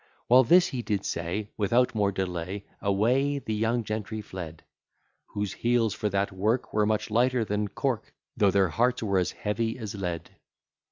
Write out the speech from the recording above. While this he did say, Without more delay, Away the young gentry fled; Whose heels for that work, Were much lighter than cork, Though their hearts were as heavy as lead.